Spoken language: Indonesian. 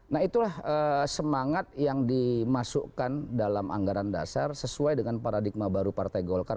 nah itulah semangat yang dimasukkan dalam anggaran dasar sesuai dengan paradigma baru partai golkar